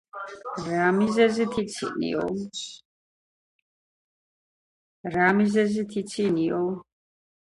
- რა მიზეზით იცინიო?